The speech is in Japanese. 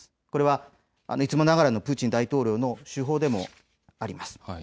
これは、いつもながらのプーチン大統領の手法でもあります。